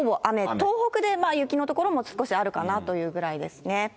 東北で雪の所も少しあるかなというぐらいですね。